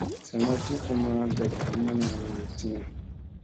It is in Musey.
Sa ma ti fu ma ndat ɦammana a tina.